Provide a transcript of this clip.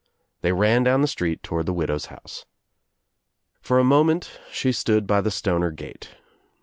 They ran down the street toward the widow's house. For a moment she stood by the Stoner gate.